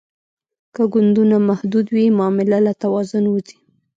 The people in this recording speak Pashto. که ګوندونه محدود وي معامله له توازن وځي